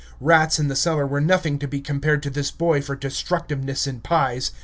Rats in the cellar were nothing to be compared to this boy for destructiveness in pies.